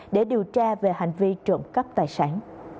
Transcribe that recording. để điều tra về hành vi trộm cắp tài sản